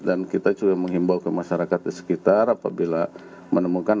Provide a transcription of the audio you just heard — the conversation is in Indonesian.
dan kita juga menghimbau ke masyarakat di sekitar apabila menemukan